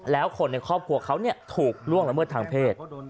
แล้วคนในครอบครัวเขาถูกล่วงละเมิดทางเพศ